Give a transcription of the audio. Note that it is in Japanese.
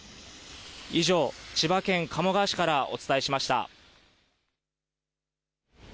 以上、千葉県鴨川市からお伝えしました。